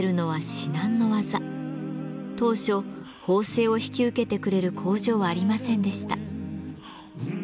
当初縫製を引き受けてくれる工場はありませんでした。